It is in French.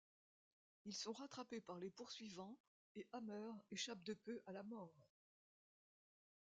Ils sont rattrapés par les poursuivants et Hammer échappe de peu à la mort.